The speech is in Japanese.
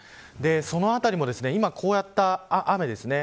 その辺りも今こういった雨ですね